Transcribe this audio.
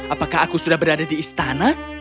apakah aku sudah berada di istana